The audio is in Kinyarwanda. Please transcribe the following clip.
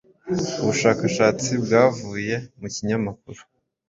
ubushakashatsi bwavuye mu kinyamakuru